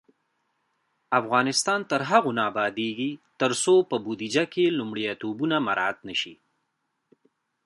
افغانستان تر هغو نه ابادیږي، ترڅو په بودیجه کې لومړیتوبونه مراعت نشي.